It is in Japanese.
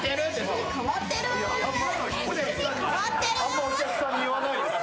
あんまお客さんに言わないです。